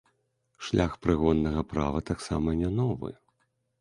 Шлях прыгоннага права таксама не новы.